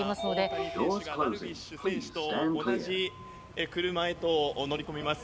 大谷選手がダルビッシュ選手と同じ車へと乗りこみます。